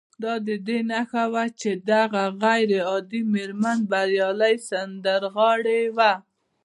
دا د دې نښه وه چې دغه غير عادي مېرمن بريالۍ سندرغاړې وه